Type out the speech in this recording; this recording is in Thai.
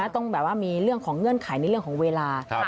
ต้องมีเรื่องของเงื่อนไขและเรื่องของเวลา